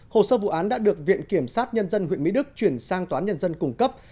hồ sơ vụ án đã được viện kiểm sát nhân dân huyện mỹ đức chuyển sang toán nhân dân cùng cấp